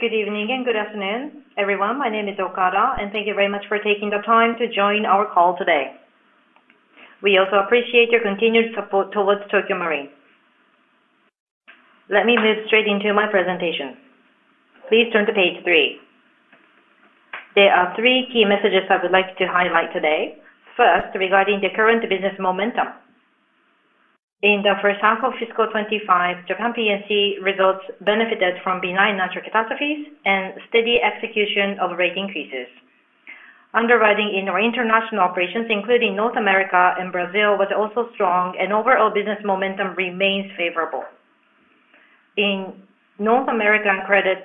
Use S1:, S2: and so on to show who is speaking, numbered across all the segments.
S1: Good evening and good afternoon, everyone. My name is Okada, and thank you very much for taking the time to join our call today. We also appreciate your continued support towards Tokio Marine. Let me move straight into my presentation. Please turn to page three. There are three key messages I would like to highlight today. First, regarding the current business momentum. In the first half of fiscal 2025, Japan P&C results benefited from benign natural catastrophes and steady execution of rate increases. Underwriting in our international operations, including North America and Brazil, was also strong, and overall business momentum remains favorable. In North American credit,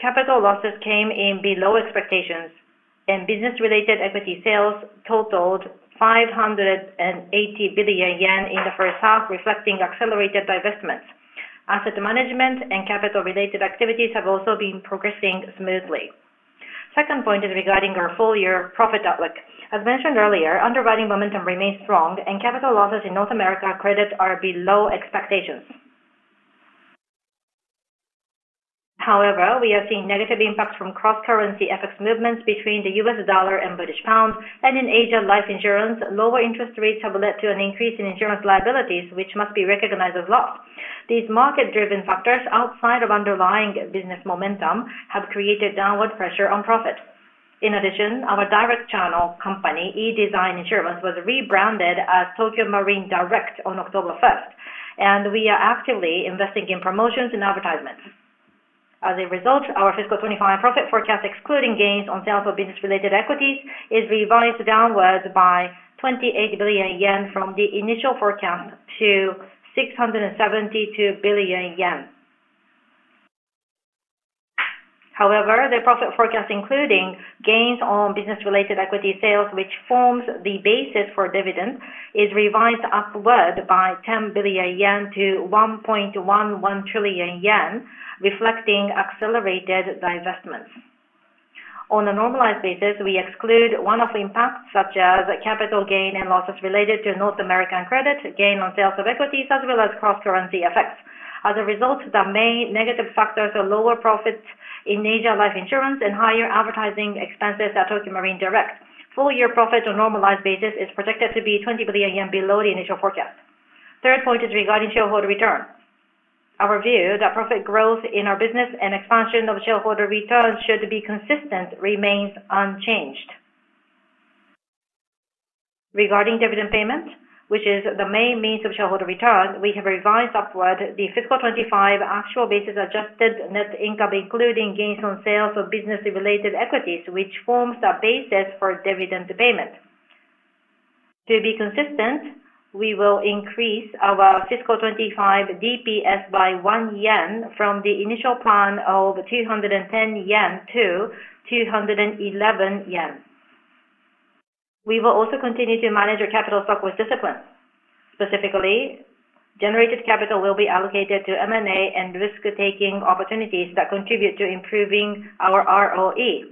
S1: capital losses came in below expectations, and business-related equity sales totaled 580 billion yen in the first half, reflecting accelerated divestments. Asset management and capital-related activities have also been progressing smoothly. Second point is regarding our full-year profit outlook. As mentioned earlier, underwriting momentum remains strong, and capital losses in North America credit are below expectations. However, we have seen negative impacts from cross-currency effects movements between the US dollar and British pound, and in Asian life insurance, lower interest rates have led to an increase in insurance liabilities, which must be recognized as loss. These market-driven factors outside of underlying business momentum have created downward pressure on profits. In addition, our direct channel company, eDesign Insurance, was rebranded as Tokyo Marine Direct on October 1st, and we are actively investing in promotions and advertisements. As a result, our fiscal 2025 profit forecast, excluding gains on sales of business-related equities, is revised downward by 28 billion yen from the initial forecast to 672 billion yen. However, the profit forecast, including gains on business-related equity sales, which forms the basis for dividends, is revised upward by 10 billion-1.11 trillion yen, reflecting accelerated divestments. On a normalized basis, we exclude one-off impacts such as capital gain and losses related to North American credit, gain on sales of equities, as well as cross-currency effects. As a result, the main negative factors are lower profits in Asia life insurance and higher advertising expenses at Tokyo Marine Direct. Full-year profit on a normalized basis is projected to be 20 billion yen below the initial forecast. Third point is regarding shareholder return. Our view that profit growth in our business and expansion of shareholder returns should be consistent remains unchanged. Regarding dividend payment, which is the main means of shareholder return, we have revised upward the fiscal 2025 actual basis-adjusted net income, including gains on sales of business-related equities, which forms the basis for dividend payment. To be consistent, we will increase our fiscal 2025 DPS by 1 yen from the initial plan of 210 yen to 211 yen. We will also continue to manage our capital stock with discipline. Specifically, generated capital will be allocated to M&A and risk-taking opportunities that contribute to improving our ROE.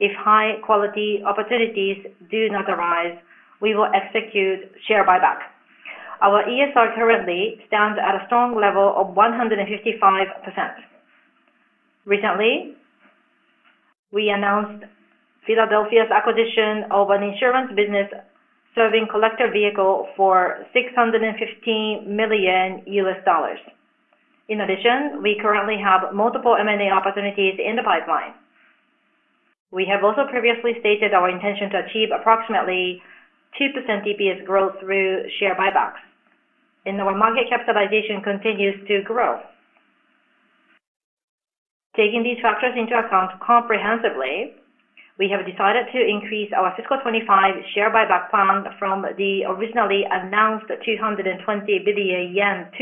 S1: If high-quality opportunities do not arise, we will execute share buyback. Our ESR currently stands at a strong level of 155%. Recently, we announced Philadelphia's acquisition of an insurance business serving collector vehicle for $615 million. In addition, we currently have multiple M&A opportunities in the pipeline. We have also previously stated our intention to achieve approximately 2% DPS growth through share buybacks, and our market capitalization continues to grow. Taking these factors into account comprehensively, we have decided to increase our fiscal 2025 share buyback plan from the originally announced 220 billion yen -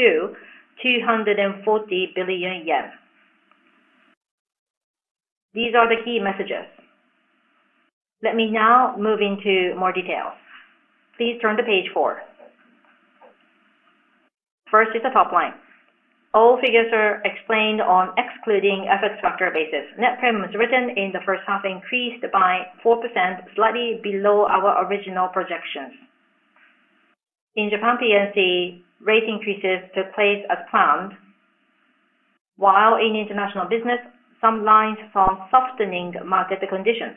S1: 240 billion yen. These are the key messages. Let me now move into more detail. Please turn to page four. First is the top line. All figures are explained on excluding effects factor basis. Net premiums written in the first half increased by 4%, slightly below our original projections. In Japan P&C, rate increases took place as planned, while in international business, some lines found softening market conditions.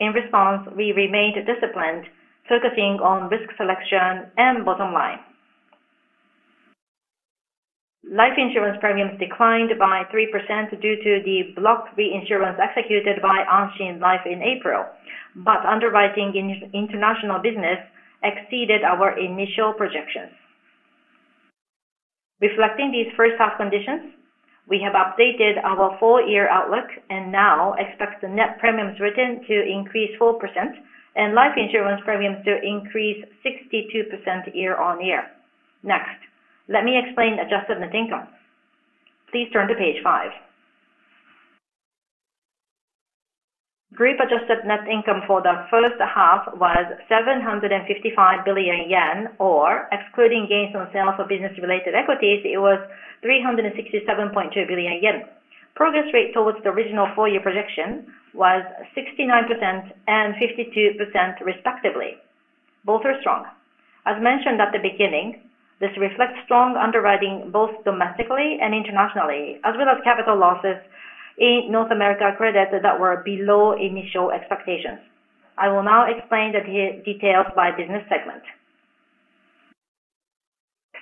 S1: In response, we remained disciplined, focusing on risk selection and bottom line. Life insurance premiums declined by 3% due to the block reinsurance executed by Anshin Life in April, but underwriting in international business exceeded our initial projections. Reflecting these first half conditions, we have updated our full-year outlook and now expect the net premiums written to increase 4% and life insurance premiums to increase 62% year on year. Next, let me explain adjusted net income. Please turn to page five. Group adjusted net income for the first half was 755 billion yen, or excluding gains on sales of business-related equities, it was 367.2 billion yen. Progress rate towards the original full-year projection was 69% and 52% respectively. Both are strong. As mentioned at the beginning, this reflects strong underwriting both domestically and internationally, as well as capital losses in North America credit that were below initial expectations. I will now explain the details by business segment.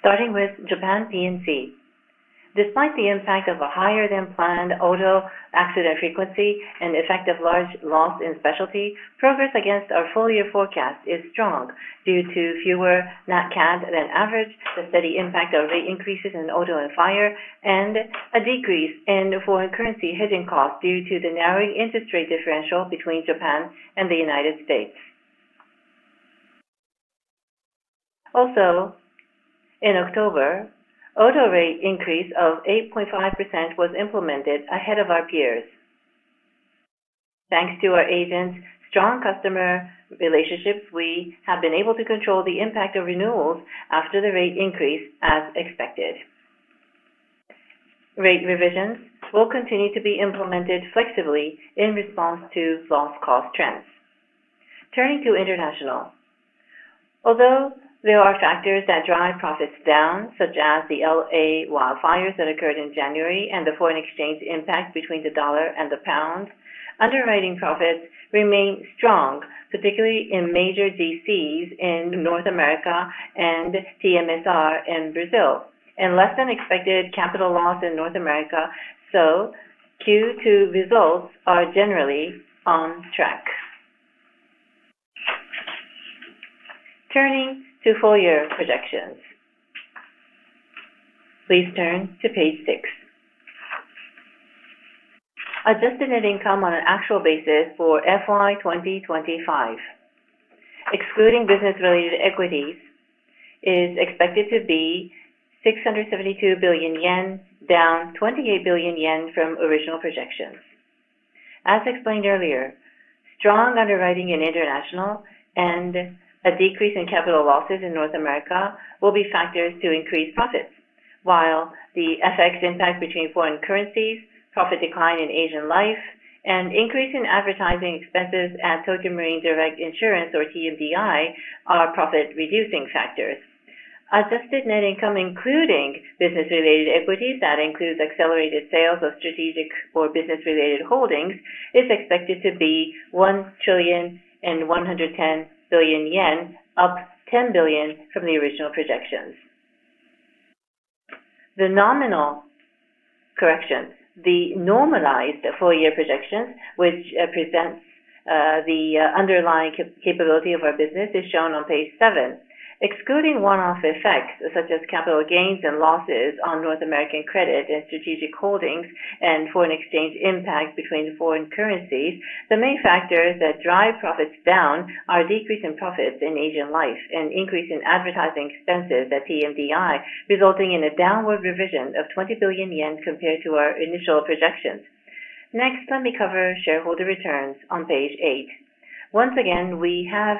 S1: Starting with Japan P&C. Despite the impact of a higher-than-planned auto accident frequency and the effect of large loss in specialty, progress against our full-year forecast is strong due to fewer net cap than average, the steady impact of rate increases in auto and fire, and a decrease in foreign currency hedging costs due to the narrowing interest rate differential between Japan and the United States. Also, in October, auto rate increase of 8.5% was implemented ahead of our peers. Thanks to our agents, strong customer relationships, we have been able to control the impact of renewals after the rate increase as expected. Rate revisions will continue to be implemented flexibly in response to loss cost trends. Turning to international. Although there are factors that drive profits down, such as the LA wildfires that occurred in January and the foreign exchange impact between the dollar and the pound, underwriting profits remain strong, particularly in major DCs in North America and TMSR in Brazil, and less than expected capital loss in North America. Q2 results are generally on track. Turning to full-year projections. Please turn to page six. Adjusted net income on an actual basis for fiscal year 2025, excluding business-related equities, is expected to be 672 billion yen, down 28 billion yen from original projections. As explained earlier, strong underwriting in international and a decrease in capital losses in North America will be factors to increase profits, while the effects impact between foreign currencies, profit decline in Asian life, and increase in advertising expenses at Tokyo Marine Direct Insurance, or TMDI, are profit-reducing factors. Adjusted net income, including business-related equities that includes accelerated sales of strategic or business-related holdings, is expected to be 1 trillion and 110 billion yen, up 10 billion from the original projections. The nominal correction, the normalized full-year projections, which presents the underlying capability of our business, is shown on page seven. Excluding one-off effects such as capital gains and losses on North American credit and strategic holdings and foreign exchange impact between foreign currencies, the main factors that drive profits down are decrease in profits in Asian life and increase in advertising expenses at TMDI, resulting in a downward revision of 20 billion yen compared to our initial projections. Next, let me cover shareholder returns on page eight. Once again, we have,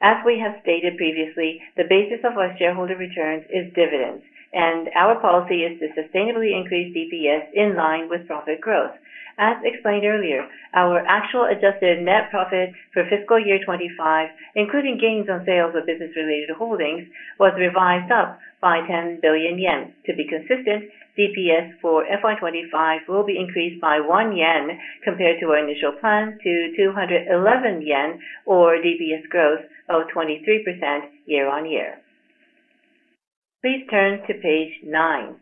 S1: as we have stated previously, the basis of our shareholder returns is dividends, and our policy is to sustainably increase DPS in line with profit growth. As explained earlier, our actual adjusted net profit for fiscal year 2025, including gains on sales of business-related holdings, was revised up by 10 billion yen. To be consistent, DPS for fiscal year 2025 will be increased by 1 yen compared to our initial plan to 211 yen, or DPS growth of 23% year-on-year. Please turn to page nine.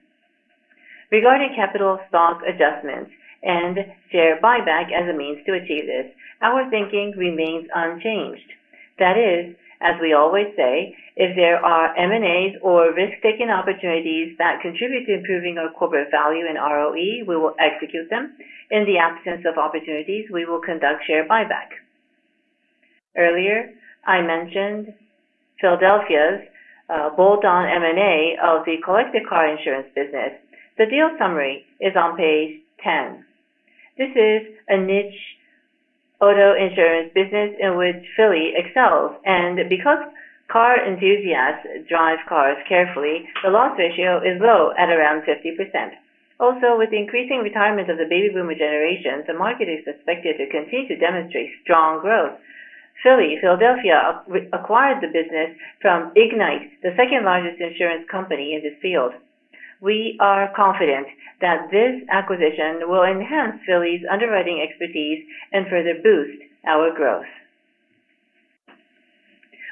S1: Regarding capital stock adjustments and share buyback as a means to achieve this, our thinking remains unchanged. That is, as we always say, if there are M&A or risk-taking opportunities that contribute to improving our corporate value and ROE, we will execute them. In the absence of opportunities, we will conduct shared buyback. Earlier, I mentioned Philadelphia's bolt-on M&A of the collector car insurance business. The deal summary is on page 10. This is a niche auto-insurance business in which Philly excels, and because car enthusiasts drive cars carefully, the loss ratio is low at around 50%. Also, with the increasing retirement of the baby boomer generation, the market is expected to continue to demonstrate strong growth. Philly, Philadelphia acquired the business from Ignite, the second largest insurance company in this field. We are confident that this acquisition will enhance Philly's underwriting expertise and further boost our growth.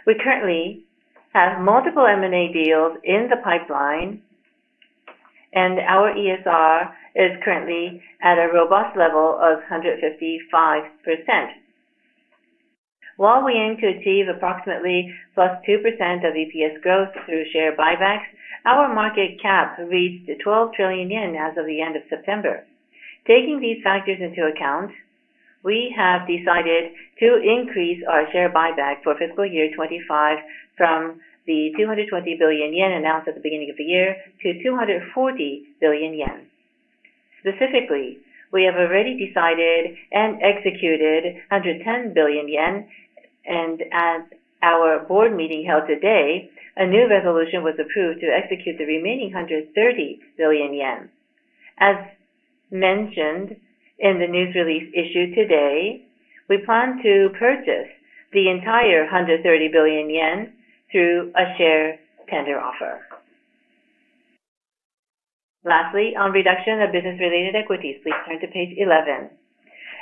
S1: We currently have multiple M&A deals in the pipeline, and our ESR is currently at a robust level of 155%. While we aim to achieve approximately +2% of EPS growth through share buybacks, our market cap reached 12 trillion yen as of the end of September. Taking these factors into account, we have decided to increase our share buyback for fiscal year 2025 from the 220 billion yen announced at the beginning of the year to 240 billion yen. Specifically, we have already decided and executed 110 billion yen, and at our board meeting held today, a new resolution was approved to execute the remaining 130 billion yen. As mentioned in the news release issued today, we plan to purchase the entire 130 billion yen through a share tender offer. Lastly, on reduction of business-related equities, please turn to page 11.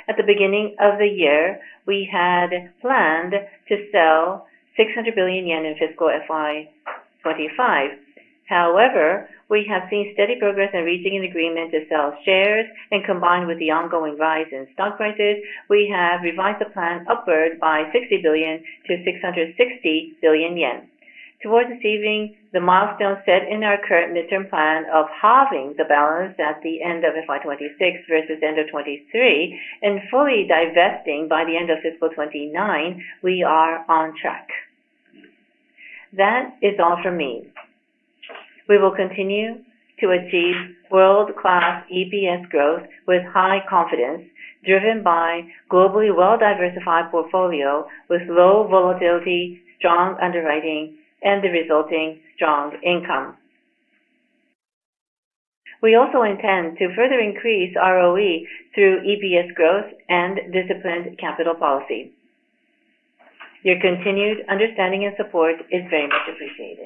S1: At the beginning of the year, we had planned to sell 600 billion yen in fiscal year 2025. However, we have seen steady progress in reaching an agreement to sell shares, and combined with the ongoing rise in stock prices, we have revised the plan upward by 60 billion - 660 billion yen. Towards achieving the milestone set in our current midterm plan of halving the balance at the end of fiscal 2026 versus end of 2023 and fully divesting by the end of fiscal 2029, we are on track. That is all for me. We will continue to achieve world-class EPS growth with high confidence, driven by a globally well-diversified portfolio with low volatility, strong underwriting, and the resulting strong income. We also intend to further increase ROE through EPS growth and disciplined capital policy. Your continued understanding and support is very much appreciated.